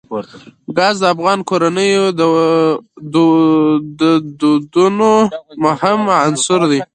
ګاز د افغان کورنیو د دودونو مهم عنصر دی.